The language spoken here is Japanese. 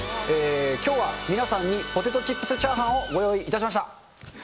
きょうは皆さんにポテトチップスチャーハンをご用意いたしました。